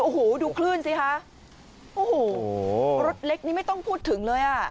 โอ้โหดูคลื่นสิคะโอ้โหรถเล็กนี่ไม่ต้องพูดถึงเลยอ่ะ